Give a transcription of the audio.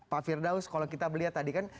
pak firdaus kalau kita melihat tadi kan